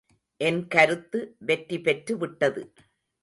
என் கருத்து வெற்றி பெற்றுவிட்டது.